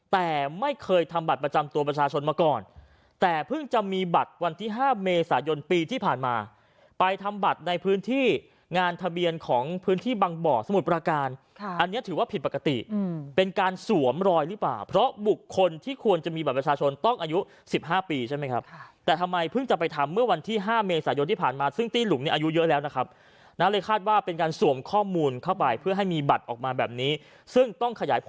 แต่ไม่เคยทำบัตรประจำตัวประชาชนมาก่อนแต่เพิ่งจะมีบัตรวันที่ห้าเมษายนปีที่ผ่านมาไปทำบัตรในพื้นที่งานทะเบียนของพื้นที่บางบ่อสมุทรประการอันนี้ถือว่าผิดปกติเป็นการสวมรอยหรือเปล่าเพราะบุคคลที่ควรจะมีบัตรประชาชนต้องอายุสิบห้าปีใช่ไหมครับแต่ทำไมเพิ่งจะไปทำเมื่อวันที่ห้าเมษายนท